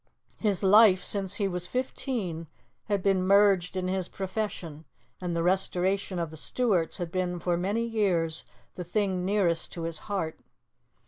His life since he was fifteen had been merged in his profession, and the restoration of the Stuarts had been for many years the thing nearest to his heart.